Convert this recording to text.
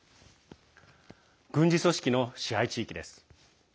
軍事組織の支配地域です。